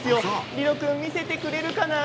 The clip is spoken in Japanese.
リロ君、見せてくれるかな。